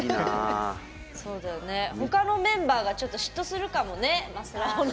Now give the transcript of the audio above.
他のメンバーがちょっと嫉妬するかもね。